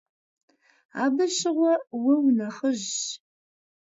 Абы щыгъуэ уэ унэхъыжьщ.